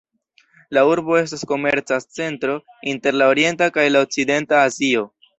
La urbo estas komerca centro inter la orienta kaj la okcidenta Azio.